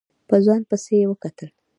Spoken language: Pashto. په ځوان پسې يې وکتل.